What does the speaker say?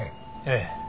ええ。